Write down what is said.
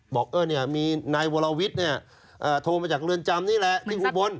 บอกมีนายวรวิทย์โทรมาจากเรือนจำนี่แหละที่อุบล